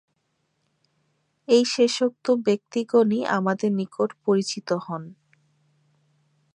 এই শেষোক্ত ব্যক্তিগণই আমাদের নিকট পরিচিত হন।